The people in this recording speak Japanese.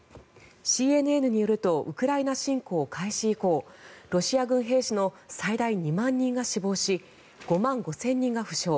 ＣＮＮによるとウクライナ侵攻開始以降ロシア軍兵士の最大２万人が死亡し５万５０００人が負傷。